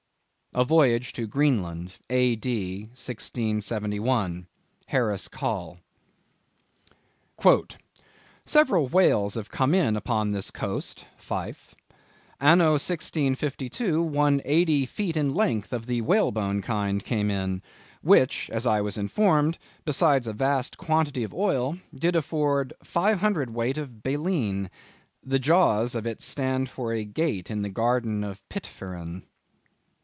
—A Voyage to Greenland, A.D. 1671. Harris Coll. "Several whales have come in upon this coast (Fife) Anno 1652, one eighty feet in length of the whale bone kind came in, which (as I was informed), besides a vast quantity of oil, did afford 500 weight of baleen. The jaws of it stand for a gate in the garden of Pitferren."